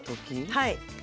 はい。